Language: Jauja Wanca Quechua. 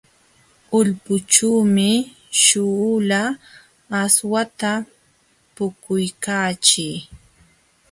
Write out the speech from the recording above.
Ulpućhuumi śhuula aswata puquykaachii.